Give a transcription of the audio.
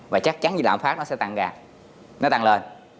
và chắc chắn như lãm phát nó sẽ tăng gạt nó tăng lên